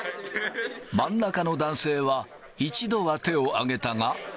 真ん中の男性は一度は手を挙げたが。